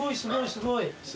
すごい。